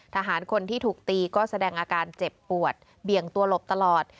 ทหารคนที่ถูกตีก็แสดงอาการเจ็บปวดเบี่ยงตัวหลบตลอด